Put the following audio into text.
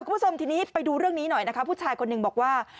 คุณผู้ชมทีนี้ไปดูเรื่องนี้หน่อยนะคะผู้ชายคนหนึ่งบอกว่า